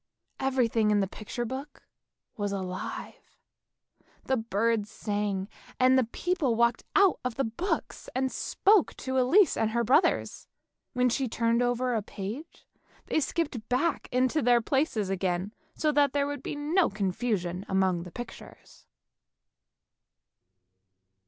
Everything in the picture book was alive, the birds sang, and the people walked out of the book, and spoke to Elise and her 40 ANDERSEN'S FAIRY TALES brothers. When she turned over a page, they skipped back into their places again, so that there should be no confusion among the pictures.